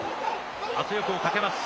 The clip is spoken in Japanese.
圧力をかけます。